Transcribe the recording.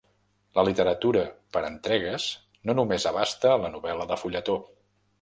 La literatura per entregues no només abasta la novel·la de fulletó.